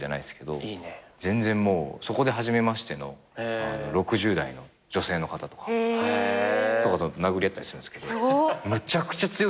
全然もうそこで初めましての６０代の女性の方とかと殴り合ったりするんですけどむちゃくちゃ強いんですよ。